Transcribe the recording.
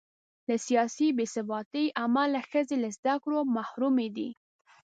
له سیاسي بې ثباتۍ امله ښځې له زده کړو محرومې دي.